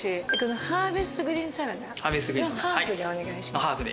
ハーベストグリーンサラダハーフでお願いします。